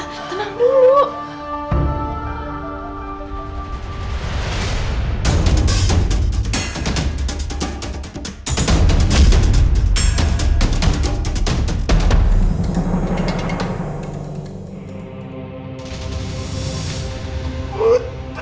tante tenang dulu